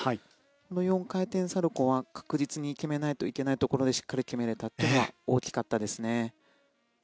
この４回転サルコウは確実に決めないといけないところでしっかり決めれたのは大きいですね。